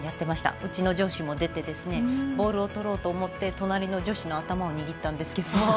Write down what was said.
うちの上司も出てボールをとろうと思って隣の女子の頭を握ったんですけど。